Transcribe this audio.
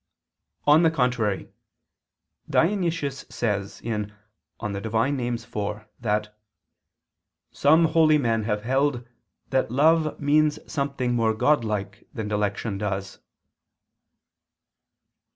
On the contrary, Dionysius says (Div. Nom. iv) that "some holy men have held that love means something more Godlike than dilection does."